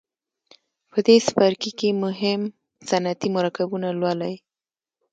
په دې څپرکي کې مهم صنعتي مرکبونه لولئ.